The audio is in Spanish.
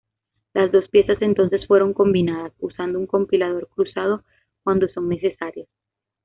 Las dos piezas entonces fueron combinadas, usando un compilador cruzado cuando son necesarias.